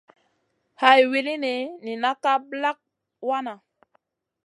Hay wulini nina ka ɓlak wanaʼ.